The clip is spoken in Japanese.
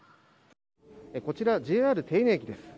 こちらＪＲ手稲駅です。